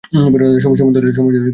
সোমোন্দ হইলে আংটি পরাইয়া দেবে।